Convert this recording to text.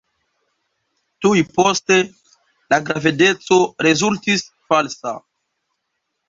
Tuj poste, la gravedeco rezultis falsa.